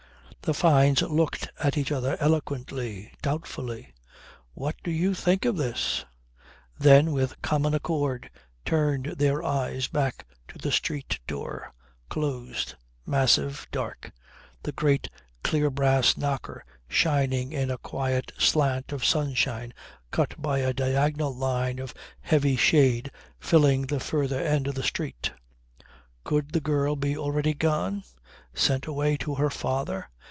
The Fynes looked at each other eloquently, doubtfully: What do you think of this? Then with common accord turned their eyes back to the street door, closed, massive, dark; the great, clear brass knocker shining in a quiet slant of sunshine cut by a diagonal line of heavy shade filling the further end of the street. Could the girl be already gone? Sent away to her father?